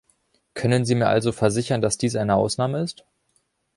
Können Sie mir also versichern, dass dies eine Ausnahme ist?